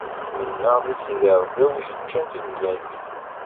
Mennaɣ di Sidi Ṛebbi, a wi yeččan timellalin.